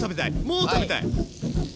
もう食べたい。